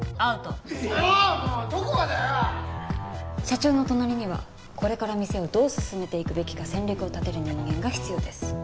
社長の隣にはこれから店をどう進めていくべきか戦略を立てる人間が必要です。